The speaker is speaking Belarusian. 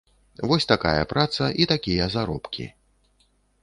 Вось такая праца і такія заробкі.